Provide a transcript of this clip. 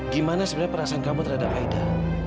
gimana sebenarnya perasaan kamu terhadap aida